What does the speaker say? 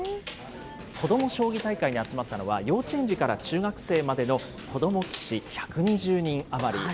こども将棋大会に集まったのは、幼稚園児から中学生までのこども棋士１２０人余り。